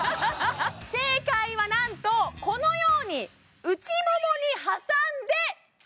正解は何とこのように内ももに挟んで使うんです